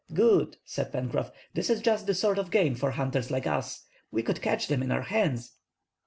"Good," said Pencroff, "this is just the sort of game for hunters like us. We could catch them in our hands."